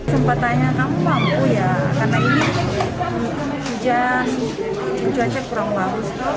sempat tanya kamu mampu ya karena ini hujan cuaca kurang bagus